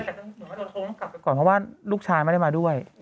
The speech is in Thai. กลับไปก่อนเพราะว่าลูกชายไม่ได้มาด้วย